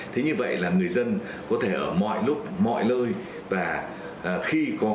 thế như vậy là người dân có thể ở mọi lúc mọi lơi